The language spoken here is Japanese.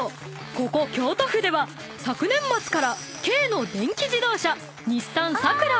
ここ京都府では昨年末から軽の電気自動車日産サクラをタクシーに採用］